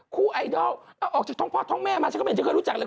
ไอดอลเอาออกจากท้องพ่อท้องแม่มาฉันก็ไม่เห็นจะเคยรู้จักเลย